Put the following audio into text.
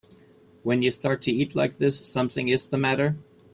When you start to eat like this something is the matter.